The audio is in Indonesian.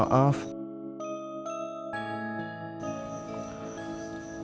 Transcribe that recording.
saya mau serius